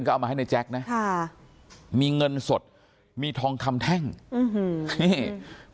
ก็เอามาให้ในแจ๊คนะค่ะมีเงินสดมีทองคำแท่งอื้อหือนี่